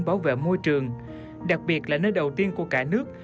bảo vệ môi trường đặc biệt là nơi đầu tiên của cả nước